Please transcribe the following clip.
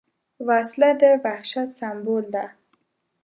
وسله د وحشت سمبول ده